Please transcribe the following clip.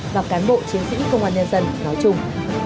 và cán bộ chiến sĩ công an nhân dân nói chung